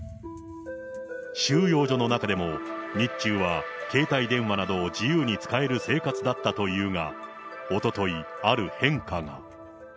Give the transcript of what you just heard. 収容所の中でも、日中は携帯電話などを自由に使える生活だったというが、おととい、ある変化が。